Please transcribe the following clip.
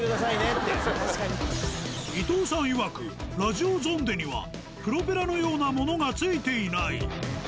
伊藤さんいわくラジオゾンデにはプロペラのようなものが付いていない。